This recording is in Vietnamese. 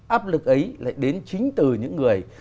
áp lực ấy lại đến chính từ những người